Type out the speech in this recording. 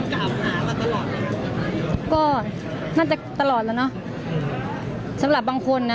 คำกราบมาตลอดน่าจะตลอดแล้วเนอะสำหรับบางคนนะ